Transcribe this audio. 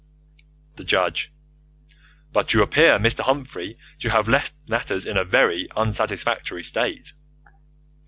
The Judge: But you appear, Mr. Humphrey, to have left matters in a very unsatisfactory state.